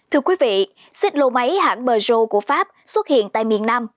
thưa quý vị xích lô máy hãng mejo của pháp xuất hiện tại miền nam